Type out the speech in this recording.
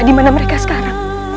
di mana mereka sekarang